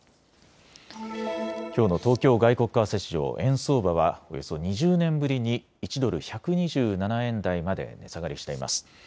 きょうの東京外国為替市場、円相場はおよそ２０年ぶりに１ドル１２７円台まで値下がりしています。